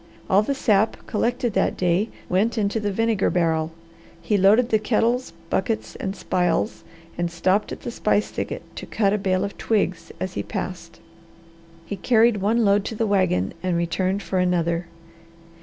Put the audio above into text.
All the sap collected that day went into the vinegar barrel. He loaded the kettles, buckets, and spiles and stopped at the spice thicket to cut a bale of twigs as he passed. He carried one load to the wagon and returned for another.